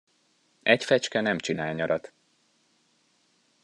Egy fecske nem csinál nyarat.